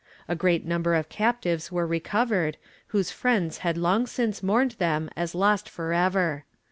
A great number of captives were recovered, whose friends had long since mourned them as lost for ever.